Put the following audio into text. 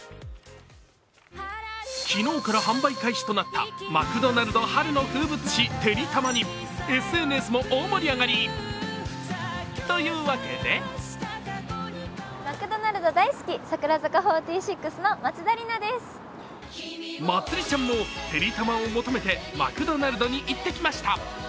昨日から販売開始となったマクドナルド春の風物詩てりたまにＳＮＳも大盛り上がり。というわけでまつりちゃんも、てりたまを求めてマクドナルドに行ってきました。